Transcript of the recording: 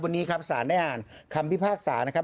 วันนี้ครับสารได้อ่านคำพิพากษานะครับ